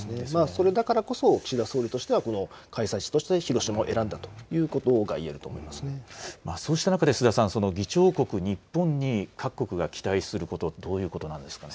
それだからこそ岸田総理としては開催地として広島を選んだということそうした中で須田さん、議長国、日本に各国が期待すること、どういうことなんですかね。